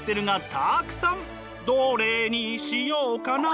どれにしようかな？